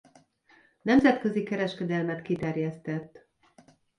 Nemzetközi kereskedelmet kiterjesztett.